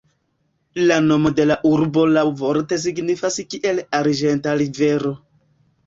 La nomo de la urbo laŭvorte signifas kiel "arĝenta rivero".